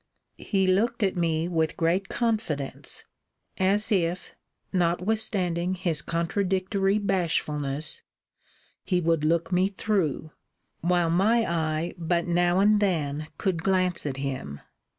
He looked at me with great confidence; as if (notwithstanding his contradictory bashfulness) he would look me through; while my eye but now and then could glance at him.